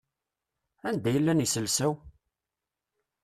Anda i llan yiselsa-w?